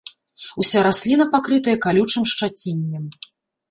Уся расліна пакрытая калючым шчаціннем.